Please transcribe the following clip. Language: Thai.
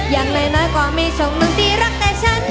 อย่างน้อยน้อยก็ไม่ชมนึงที่รักแต่ฉัน